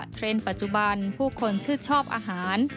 เทรนด์ปัจจุบันผู้คนชื่นชอบอาหาร